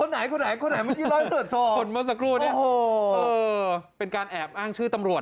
อ้อมีบอกด้วยร้อยตำรวจโทกรประเสริร์ส